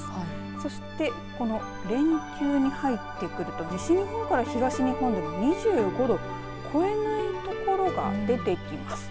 そしてこの連休に入ってくると西日本から東日本でも２５度超えないところが出てきます。